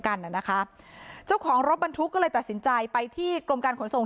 กันน่ะนะคะเจ้าของรถบรรทุกก็เลยตัดสินใจไปที่กรมการขนส่ง